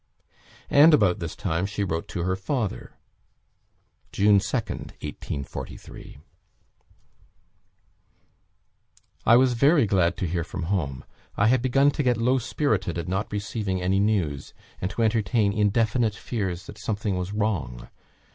And about this time she wrote to her father, "June 2nd, 1818, "I was very glad to hear from home. I had begun to get low spirited at not receiving any news, and to entertain indefinite fears that something was wrong.